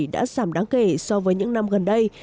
đã giảm đáng kể so với những năm gần đây